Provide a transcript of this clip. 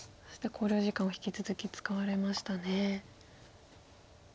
そして考慮時間を引き続き使われましたね。